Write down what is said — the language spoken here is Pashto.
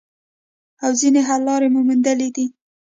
او ځینې حل لارې مو موندلي دي